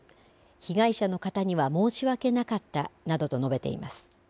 被害者の方には申し訳なかったなどと述べています。